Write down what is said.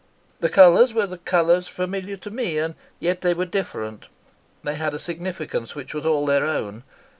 The colours were the colours familiar to me, and yet they were different. They had a significance which was all their own.